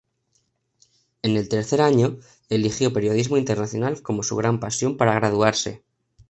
En el tercer año, eligió Periodismo Internacional como su gran pasión para graduarse.